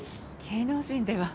芸能人では。